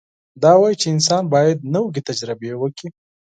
دا وایي چې انسان باید نوې تجربې وکړي.